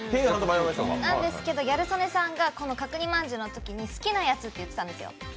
なんですけど、ギャル曽根さんが角煮まんじゅうのときに好きなやつって言ってたんですよ